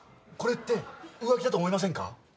これって浮気だと思いませんか？